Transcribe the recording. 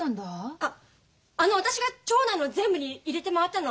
ああの私が町内の全部に入れて回ったの。